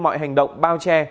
mọi hành động bao che